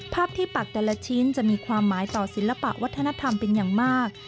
ภาพที่ปักแต่ละชิ้นจะมีความหมายต่อศิลปะวัฒนธรรมเป็นอย่างมาก